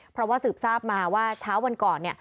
เพราะว่าสืบทราบมาว่าเช้าวันก่อน